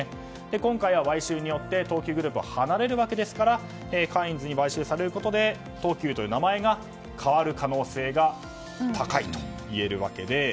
今回は買収によって東急グループを離れるわけですからカインズに買収されることで東急という名前が変わる可能性が高いといえるわけで。